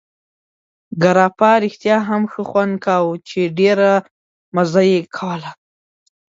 ګراپا رښتیا هم ښه خوند کاوه، چې ډېره مزه یې کوله.